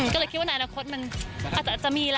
ก็เลยคิดว่าในอนาคตมันอาจจะมีแล้ว